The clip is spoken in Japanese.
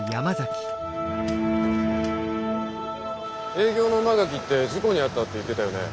営業の馬垣って事故に遭ったって言ってたよね？